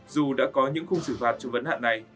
dù đã có những khung xử phạt cho vấn hạn này